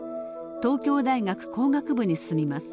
東京大学工学部に進みます。